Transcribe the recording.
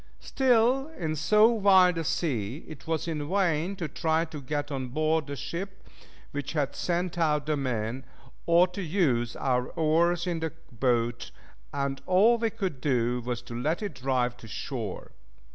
Still in so wild a sea it was in vain to try to get on board the ship which had sent out the men, or to use our oars in the boat, and all we could do was to let it drive to shore.